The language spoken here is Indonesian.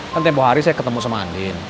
kan tiap hari saya ketemu sama andin